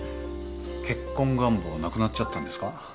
結婚願望なくなっちゃったんですか？